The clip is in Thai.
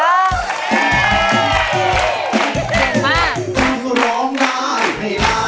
เย็นมาก